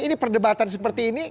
ini perdebatan seperti ini